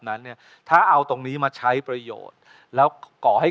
ไม่คิดจะทนมันต่อไป